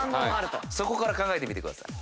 そこから考えてみてください。